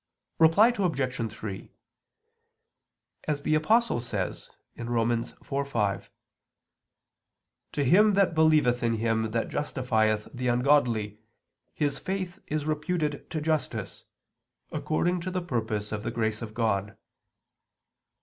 Reply Obj. 3: As the Apostle says (Rom. 4:5), "to him that ... believeth in Him that justifieth the ungodly his faith is reputed to justice, according to the purpose of the grace of God."